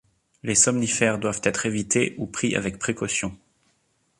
Les somnifères doivent être évités ou pris avec précaution.